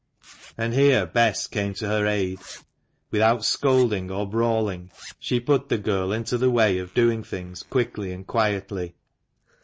And here Bess came to her aid. Without scolding or brawling, she put the girl into the way of doing things quickly and quietly.